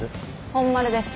本丸です。